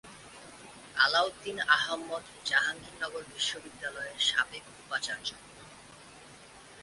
আলাউদ্দিন আহম্মদ জাহাঙ্গীরনগর বিশ্ববিদ্যালয়ের সাবেক উপাচার্য।